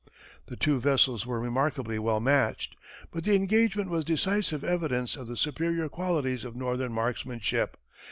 The two vessels were remarkably well matched, but the engagement was decisive evidence of the superior qualities of northern marksmanship.